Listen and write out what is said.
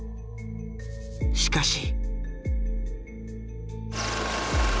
しかし。